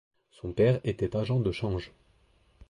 Son père était agent de change.